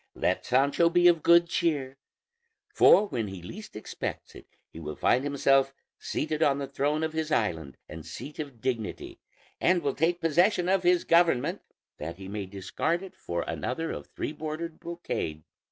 Let Sancho be of good cheer; for when he least expects it he will find himself seated on the throne of his island and seat of dignity, and will take possession of his government that he may discard it for another of three bordered brocade.